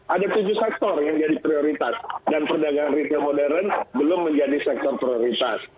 ada tujuh sektor yang jadi prioritas dan perdagangan retail modern belum menjadi sektor prioritas